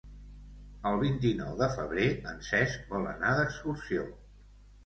El vint-i-nou de febrer en Cesc vol anar d'excursió.